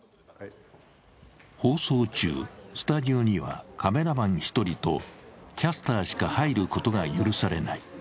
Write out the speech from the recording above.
放送中、スタジオにはカメラマン１人とキャスターしか入ることが許されない。